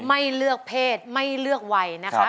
ไม่เลือกเพศไม่เลือกวัยนะคะ